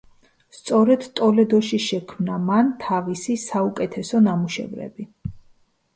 სწორედ ტოლედოში შექმნა მან თავისი საუკეთესო ნამუშევრები.